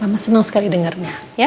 mama senang sekali dengarnya ya